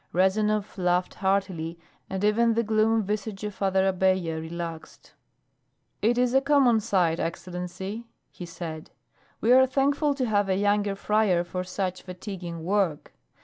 Rezanov laughed heartily and even the glum visage of Father Abella relaxed. "It is a common sight, Excellency," he said. "We are thankful to have a younger friar for such fatiguing work.